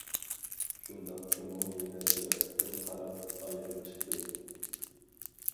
شۇنداقتىمۇ يەنە بىر قېتىم قاراپ ئايرىپ چىقتىم.